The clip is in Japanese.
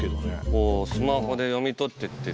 こうスマホで読み取ってって。